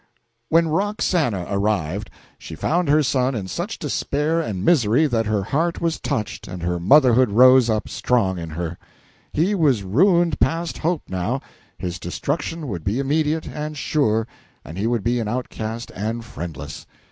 When Roxana arrived, she found her son in such despair and misery that her heart was touched and her motherhood rose up strong in her. He was ruined past hope, now; his destruction would be immediate and sure, and he would be an outcast and friendless.